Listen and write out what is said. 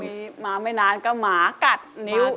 มีมาไม่นานก็หมากัดนิ้ว